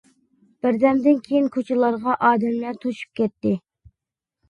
بىردەمدىن كېيىن كوچىلارغا ئادەملەر توشۇپ كەتتى.